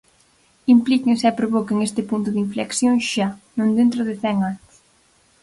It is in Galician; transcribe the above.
Implíquense e provoquen este punto de inflexión xa, non dentro de cen anos.